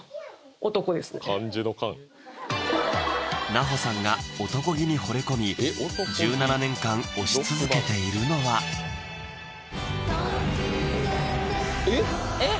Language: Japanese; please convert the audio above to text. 奈穂さんが漢気に惚れ込み１７年間推し続けているのは「吐息でネット」